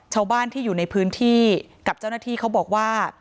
ชาวบ้านที่อยู่ในพื้นที่กับเจ้าหน้าที่เขาบอกว่า